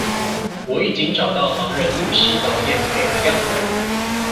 我已經找到盲人律師導演給的樣本